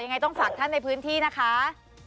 ยังไงต้องฝากท่านในพื้นที่นะคะ